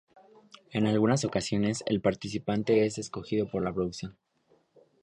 En algunas ocasiones el participante es escogido por la producción.